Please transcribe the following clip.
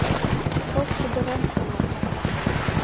Кок шӱдырем уло...